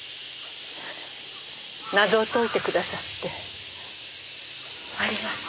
謎を解いてくださってありがとう。